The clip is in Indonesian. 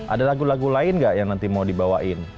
ada lagu lagu lain gak yang nanti mau dibawain